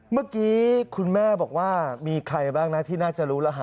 เมื่อกี้คุณแม่บอกว่ามีใครบ้างนะที่น่าจะรู้แล้วฮะ